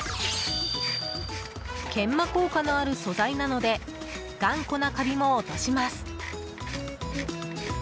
研磨効果のある素材なので頑固なカビも落とします。